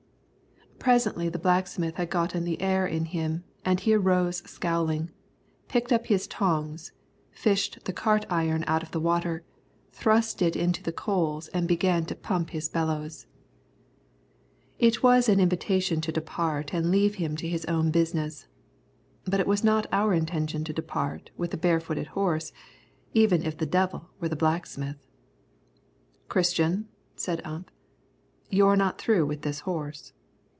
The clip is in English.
Presently the blacksmith had gotten the air in him, and he arose scowling, picked up his tongs, fished the cart iron out of the water, thrust it into the coals and began to pump his bellows. It was an invitation to depart and leave him to his own business. But it was not our intention to depart with a barefooted horse, even if the devil were the blacksmith. "Christian," said Ump, "you're not through with this horse."